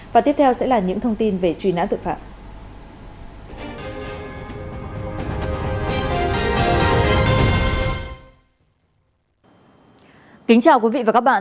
và tiếp theo sẽ là những thông tin về truy nã tội phạm